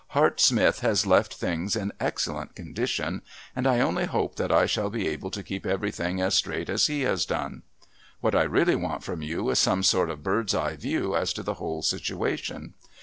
Hart Smith has left things in excellent condition, and I only hope that I shall be able to keep everything as straight as he has done. What I really want from you is some sort of bird's eye view as to the whole situation.